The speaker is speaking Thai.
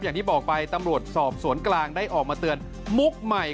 อย่างที่บอกไปตำรวจสอบสวนกลางได้ออกมาเตือนมุกใหม่